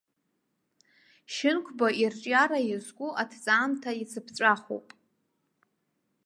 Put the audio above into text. Шьынқәба ирҿиара иазку аҭҵаамҭа иацыԥҵәахоуп.